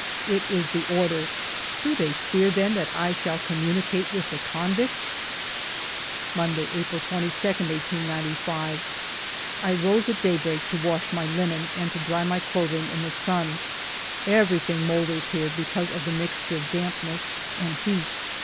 It is the order. Do they fear, then, that I shall communicate with the convicts ? Monday^ April 11^ i^95' I rose at daybreak to wash my linen and to dry my clothing in the sun. Everything moulders here because of the mixture of dampness and heat.